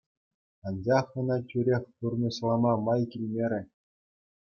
Анчах ӑна тӳрех пурнӑҫлама май килмерӗ.